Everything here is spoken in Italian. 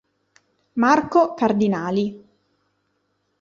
Marco Cardinali.